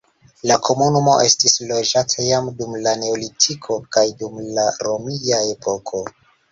La komunumo estis loĝata jam dum la neolitiko kaj dum la romia epoko.